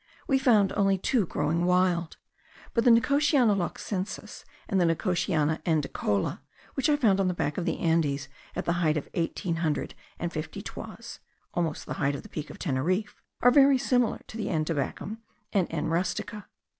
we found only two growing wild; but the Nicotiana loxensis, and the Nicotiana andicola, which I found on the back of the Andes, at the height of eighteen hundred and fifty toises (almost the height of the Peak of Teneriffe), are very similar to the N. tabacum and N. rustica.